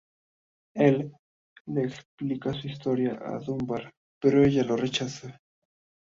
Él le explica su historia a Dunbar, pero ella lo rechaza.